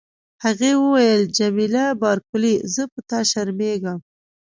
هغې وویل: جميله بارکلي، زه په تا شرمیږم.